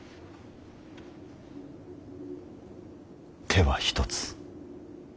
手は一つ。